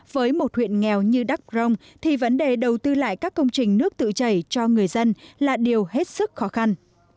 với một huyện nghèo như đắk rông thì vấn đề đầu tư lại các công trình nước tự chảy cho người dân là điều hết sức khó khăn